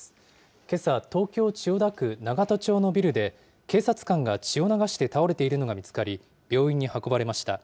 けさ、東京・千代田区永田町のビルで、警察官が血を流して倒れているのが見つかり、病院に運ばれました。